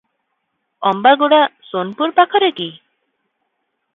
ଅମ୍ବାଗୁଡା ସୋନପୁର ପାଖରେ କି?